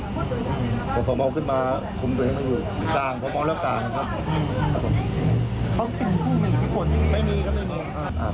เพราะพวกมองขึ้นมามีกระจั่งมองแล้วตาม